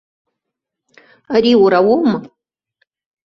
Ари уара уоума?